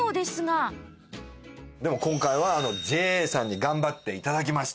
でも今回はＪＡさんに頑張って頂きました。